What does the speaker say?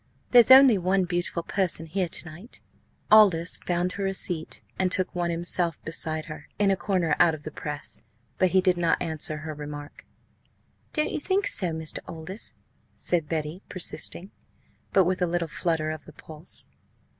There's only one beautiful person here to night!" Aldous found her a seat, and took one himself beside her, in a corner out of the press. But he did not answer her remark. "Don't you think so, Mr. Aldous?" said Betty, persisting, but with a little flutter of the pulse.